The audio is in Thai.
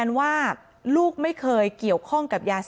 ไม่รู้ว่าจะช่วยลูกสาวแม่หน่อยได้ไหมเกี่ยวข้องกันเนี่ย๘๐๐๐๐๐บาท